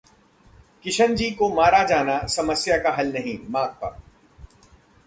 किशनजी का मारा जाना समस्या का हल नहीं: माकपा